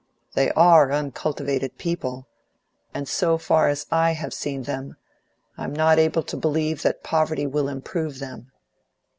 They ARE uncultivated people, and so far as I have seen them, I'm not able to believe that poverty will improve them.